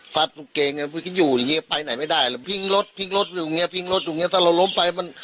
พิงรถอยู่อย่างเงี้ยพิงรถอยู่อย่างเงี้ยถ้าเราล้มไปมัน